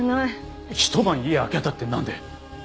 ひと晩家空けたってなんで？